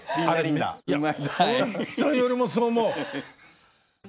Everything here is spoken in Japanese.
ほんとに俺もそう思う。